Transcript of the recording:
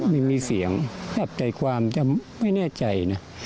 มีเสียงจับใจความแต่ไม่แน่ใจนะ